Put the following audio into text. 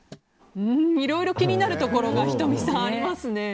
いろいろ気になるところが仁美さん、ありますね。